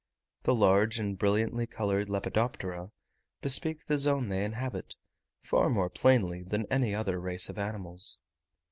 The large and brilliantly coloured Lepidoptera bespeak the zone they inhabit, far more plainly than any other race of animals.